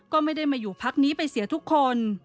ก็ไม่ได้มาอยู่พักนี้ไปเสียทุกคน